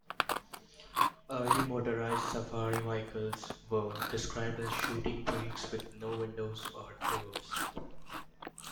Early motorized safari vehicles were described as shooting-brakes with no windows or doors.